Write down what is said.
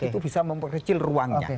itu bisa memperkecil ruangnya